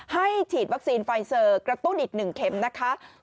ฉีดวัคซีนไฟเซอร์กระตุ้นอีก๑เข็มนะคะ